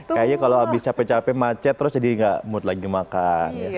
kayaknya kalau habis capek capek macet terus jadi gak mood lagi makan